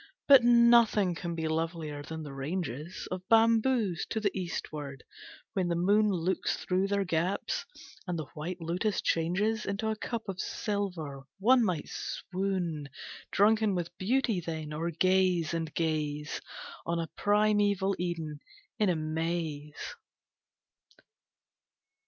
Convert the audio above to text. But nothing can be lovelier than the ranges Of bamboos to the eastward, when the moon Looks through their gaps, and the white lotus changes Into a cup of silver. One might swoon Drunken with beauty then, or gaze and gaze On a primeval Eden, in amaze.